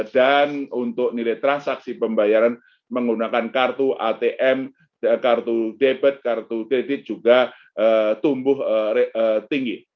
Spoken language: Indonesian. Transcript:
dan untuk nilai transaksi pembayaran menggunakan kartu atm kartu debit kartu credit juga tumbuh tinggi